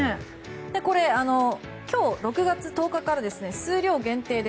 これ、今日６月１０日から数量限定で